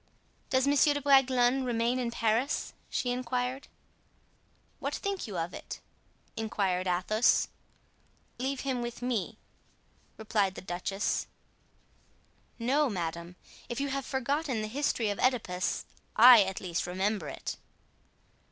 "Does Monsieur de Bragelonne remain in Paris?" she inquired. "What think you of it?" inquired Athos. "Leave him with me," replied the duchess. "No, madame; if you have forgotten the history of Oedipus, I, at least, remember it."